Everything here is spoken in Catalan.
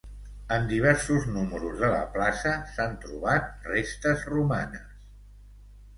En diversos números de la plaça s'han trobat restes romanes.